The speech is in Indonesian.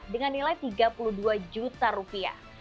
dengan nilai tiga puluh dua juta rupiah